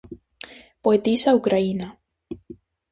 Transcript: Poetisa ucraína.